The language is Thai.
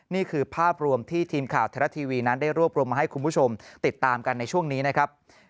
นี่คือภาพรวมที่ทีมข่าวไทยรัฐทีวีนั้นได้รวบรวมมาให้คุณผู้ชมติดตามกันในช่วงนี้นะครับ